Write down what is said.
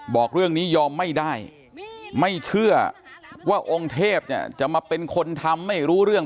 บอกเรื่องนี้ยอมไม่ได้ไม่เชื่อว่าองค์เทพเนี่ยจะมาเป็นคนทำไม่รู้เรื่อง